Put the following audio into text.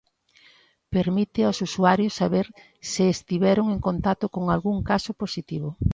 Permite aos usuarios saber se estiveron en contacto con algún caso positivo.